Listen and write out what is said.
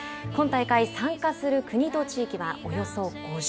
今大会、参加する国と地域はおよそ５０。